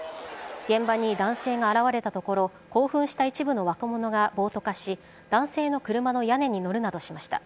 現場に男性が現れたところ興奮した一部の若者が暴徒化し男性の車の屋根に乗るなどしました。